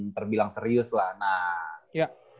terbilang serius lah nah